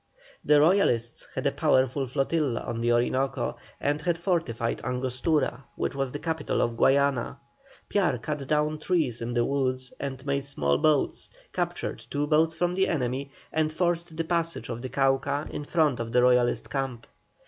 The Royalists had a powerful flotilla on the Orinoco, and had fortified Angostura, which was the capital of Guayana. Piar cut down trees in the woods and made small boats, captured two boats from the enemy, and forced the passage of the Cauca in front of the Royalist camp.